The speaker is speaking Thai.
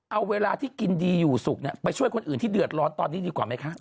เอาเวลาที่กินดีอยู่สุขไปช่วยคนอื่นที่เดือดร้อนตอนนี้ดีกว่าไหมคะ